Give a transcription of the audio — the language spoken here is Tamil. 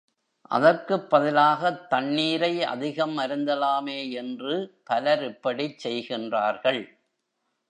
அதற்குப் பதிலாகத் தண்ணீரை அதிகம் அருந்தலாமே என்று பலர் இப்படிச் செய்கின்றார்கள்.